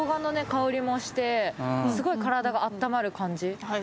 香りもしてすごい体があったまる感じ